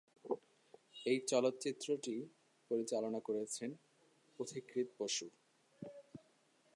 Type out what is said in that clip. এই চলচ্চিত্রটি পরিচালনা করেছেন পথিকৃৎ বসু।